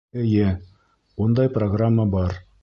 Эйе, ундай программа бар.